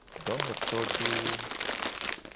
Dowotodewo.